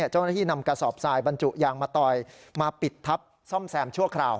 เจ้าหน้าที่นำกระสอบทรายบรรจุยางมาต่อยมาปิดทับซ่อมแซมชั่วคราว